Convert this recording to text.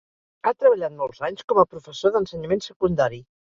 Ha treballat molts anys com a professor d'ensenyament secundari.